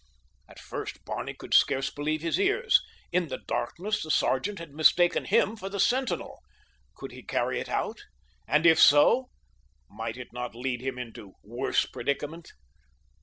At first Barney could scarce believe his ears. In the darkness the sergeant had mistaken him for the sentinel! Could he carry it out? And if so might it not lead him into worse predicament?